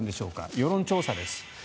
世論調査です。